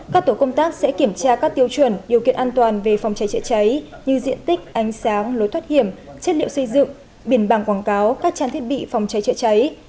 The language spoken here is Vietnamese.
các tổ công tác sẽ kiểm tra các tiêu chuẩn điều kiện an toàn về phòng cháy chữa cháy như diện tích ánh sáng lối thoát hiểm chất liệu xây dựng biển bảng quảng cáo các trang thiết bị phòng cháy chữa cháy